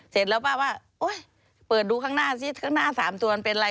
เสร็จแล้วป้าว่าโอ๊ยเปิดดูข้างหน้าซิข้างหน้า๓ตัวมันเป็นอะไร